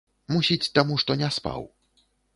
Мусіць, таму, што не спаў.